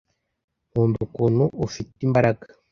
nkunda ukuntu ufite imbaraga